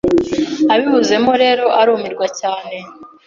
Azibuzemo rero arumirwa cyane